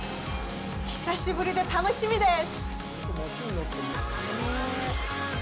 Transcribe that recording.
久しぶりで楽しみです！